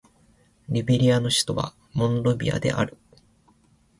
リベリアの首都はモンロビアである